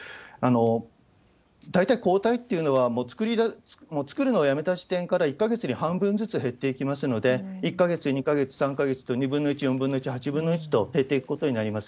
大体抗体っていうのは、もう作るのをやめた時点で１か月に半分ずつ減っていきますので、１か月、２か月、３か月と、２分の１、４分の１、８分の１と減っていくことになります。